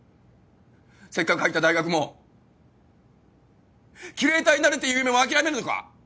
せっかく入った大学もキュレーターになるって夢も諦めるのか？